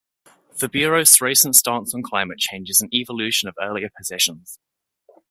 The Bureau's recent stance on climate change is an evolution of earlier positions.